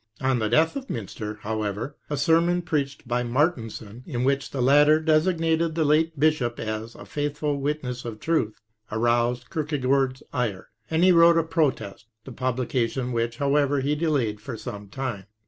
On the death of Mjmster, however, a sermon preached by Mar tensen, in which the latter designated the late bishop as " a faithful witness of truth," aroused Kierkegaard's ire, and he wrote a protest, the pub lication of which, however, he delayed for some time.